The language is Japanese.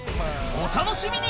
お楽しみに！